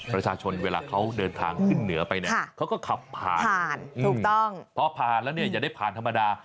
ประชาชนเขาเดินทางขึ้นเหนือไปเนี่ยเขาก็ขับผ่านเพราะเลยอย่าได้ผ่านธรรมดา